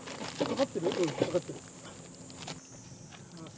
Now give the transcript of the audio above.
かかってる。